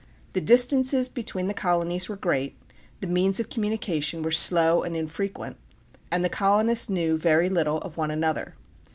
The distances between the colonies were great, the means of communication were slow and infrequent, and the colonists knew very little of one another.